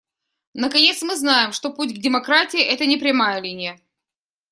Наконец, мы знаем, что путь к демократии — это не прямая линия.